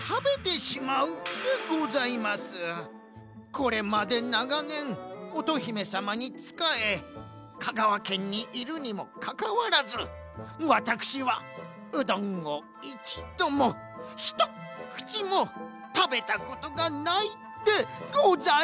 これまでながねん乙姫さまにつかえ香川県にいるにもかかわらずワタクシはうどんをいちどもひとっくちもたべたことがないでございます！